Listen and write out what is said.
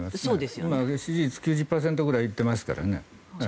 今、支持率９０％くらい行ってますからね。